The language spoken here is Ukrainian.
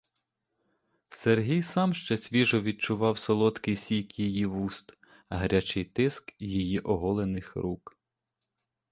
Сергій сам ще свіжо відчував солодкий сік її вуст, гарячий тиск її оголених рук.